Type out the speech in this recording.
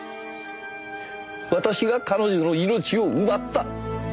私が彼女の命を奪った。